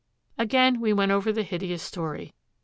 Again we went over the hideous story.